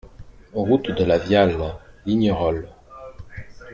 Route de la Viale, Lignerolles